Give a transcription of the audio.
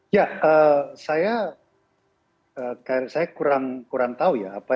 ya saya kurang tahu ya